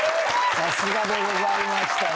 さすがでございましたね。